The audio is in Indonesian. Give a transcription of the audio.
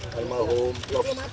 kalau mau toks